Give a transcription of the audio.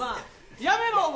やめろ！